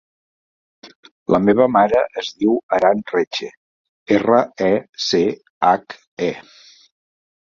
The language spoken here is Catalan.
La meva mare es diu Aran Reche: erra, e, ce, hac, e.